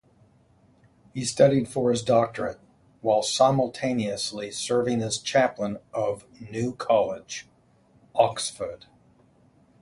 He studied for his doctorate, while simultaneously serving as Chaplain of New College, Oxford.